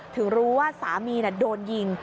ถึงรู้ว่าสามีโดนยิง